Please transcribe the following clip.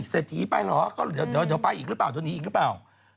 เศรษฐีไปเหรอเดี๋ยวไปอีกหรือเปล่า